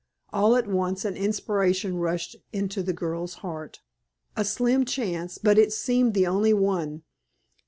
All at once an inspiration rushed into the girl's heart a slim chance, but it seemed the only one.